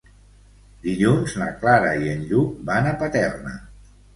Dilluns na Clara i en Lluc van a Paterna.